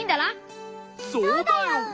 そうだよ！